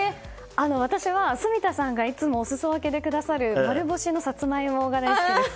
私は、住田さんがいつもお裾分けでくださる丸干しのサツマイモです。